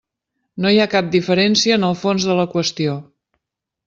No hi ha cap diferència en el fons de la qüestió.